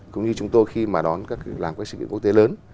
cũng như chúng tôi khi mà đón các sự kiện quốc tế lớn